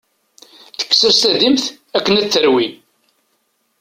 Tekkes-as tadimt akken ad t-terwi.